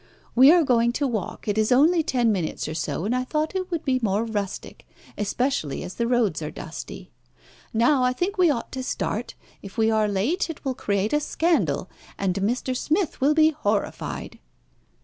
We are going to walk. It is only ten minutes or so, and I thought it would be more rustic, especially as the roads are dusty. Now, I think we ought to start. If we are late it will create a scandal, and Mr. Smith will be horrified."